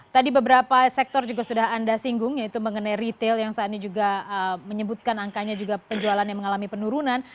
tadi beberapa sektor juga sudah anda singgung yaitu mengenai retail yang saat ini juga menyebutkan angkanya juga penjualannya mengalami penurunan